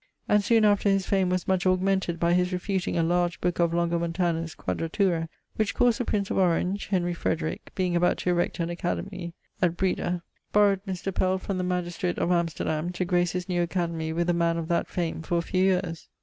And soon after his fame was much augmented by his refuting a large book of Longomontanus Quadratura, which caused the Prince of Orange (Henry Frederick) being about to erect an Academic at Breda, borrowed Mr. Pell from the magistrate of Amsterdam, to grace his new Academy with a man of that fame for a few years.